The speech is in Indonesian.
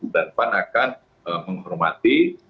dan pan akan menghormati